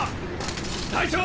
隊長！